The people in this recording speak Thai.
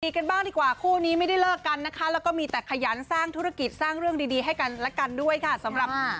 กันบ้างดีกว่าคู่นี้ไม่ได้เลิกกันนะคะแล้วก็มีแต่ขยันสร้างธุรกิจสร้างเรื่องดีดีให้กันและกันด้วยค่ะสำหรับ